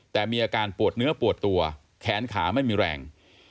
แต่มีอาการปวดเนื้อปวดตัวแขนขาไม่มีแรง